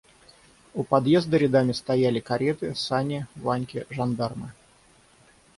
У подъезда рядами стояли кареты, сани, ваньки, жандармы.